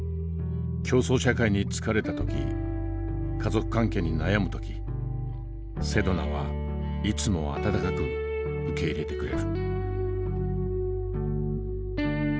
競争社会に疲れた時家族関係に悩む時セドナはいつも温かく受け入れてくれる。